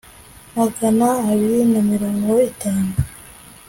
magana abiri na mirongo itanu